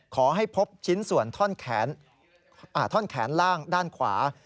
พบชิ้นส่วนท่อนแขนล่างด้านขวา